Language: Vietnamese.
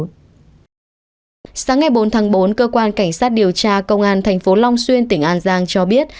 sáng ngày bốn tháng bốn cơ quan cảnh sát điều tra công an thành phố long xuyên tỉnh an giang cho biết